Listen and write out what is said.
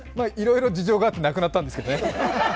いろいろ事情があって、なくなったんですけどね。